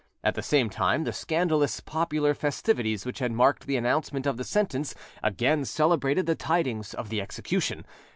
At the same time the scandalous popular festivities which had marked the announcement of the sentence again celebrated the tidings of the execution.